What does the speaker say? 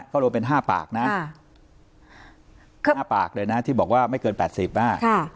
ก็รวมเป็น๕ปากนะที่บอกว่าไม่เกิน๘๐มาก